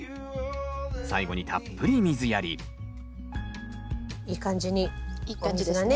最後にたっぷり水やりいい感じにお水がね